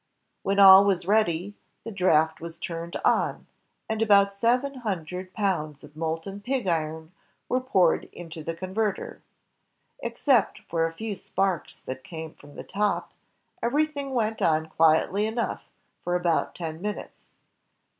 When all was ready, the draft was turned on, and about seven hundred pounds of molten pig iron were poured into the converter. Except for a few sparks that came 178 INVENTIONS OF MANUFACTURE AND PRODUCTION from the top, everything went on quietly enough foi about ten minutes.